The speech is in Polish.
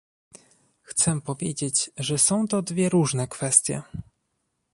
Chcę powiedzieć, że są to dwie różne kwestie